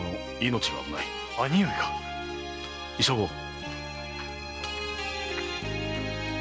兄上が⁉急ごう。